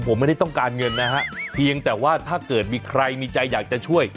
ผมไม่ได้ต้องการเงินนะฮะเพียงแต่ว่าถ้าเกิดมีใครมีใจอยากจะช่วย